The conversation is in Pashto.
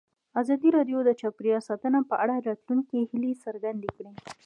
ازادي راډیو د چاپیریال ساتنه په اړه د راتلونکي هیلې څرګندې کړې.